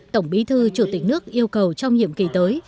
tổng bí thư chủ tịch nước yêu cầu trong nhiệm kỳ tới